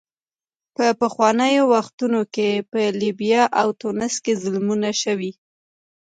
په پخوانیو وختونو کې په لیبیا او تونس کې ظلمونه شوي.